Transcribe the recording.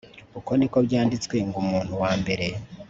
uko niko byandistwe ngo umuntu wambere